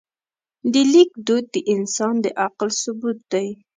د لیک دود د انسان د عقل ثبوت دی.